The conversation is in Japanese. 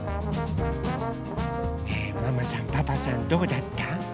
ねえママさんパパさんどうだった？